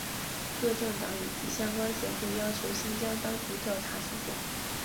各政党以及相关协会要求新疆当局调查事件。